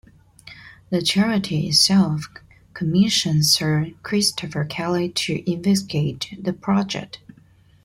The charity itself commissioned Sir Christopher Kelly to investigate the project.